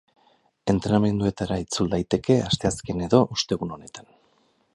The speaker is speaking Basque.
Entrenamenduetara itzul daiteke asteazken edo ostegun honetan.